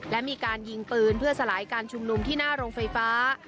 และมีการยิงปืนเพื่อสลายการชุมนุมที่หน้าโรงไฟฟ้า